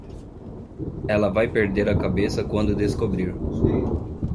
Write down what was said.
Ela vai perder a cabeça quando descobrir.